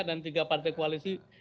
dan tiga partai koalisi